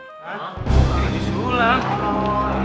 hah aji sulam